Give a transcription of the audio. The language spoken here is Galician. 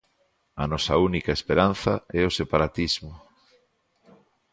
A nosa única esperanza é o separatismo!